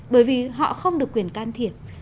bởi vì họ không được quyền can thiệp